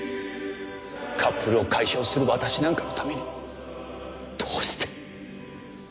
カップルを解消する私なんかのためにどうして。